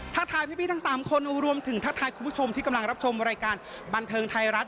ทายพี่ทั้ง๓คนรวมถึงทักทายคุณผู้ชมที่กำลังรับชมรายการบันเทิงไทยรัฐ